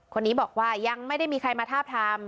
คนนี้บอกว่ายังไม่ได้มีใครมาทาบทาม